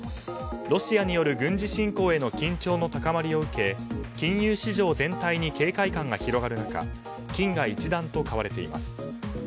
ロシアによる軍事侵攻への緊張の高まりを受け金融市場全体に警戒感が広がる中金が一段と買われています。